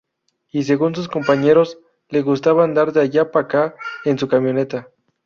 Y según sus compañeros, le gustaba andar de allá pa´acá en su camioneta.